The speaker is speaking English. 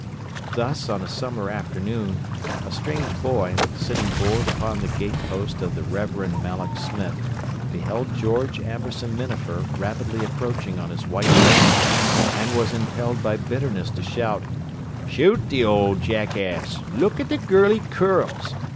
Thus, on a summer afternoon, a strange boy, sitting bored upon the gate post of the Reverend Malloch Smith, beheld George Amberson Minafer rapidly approaching on his white pony, and was impelled by bitterness to shout: "Shoot the ole jackass! Look at the girly curls!